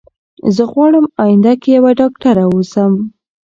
زه غواړم اينده کي يوه ډاکتره اوسم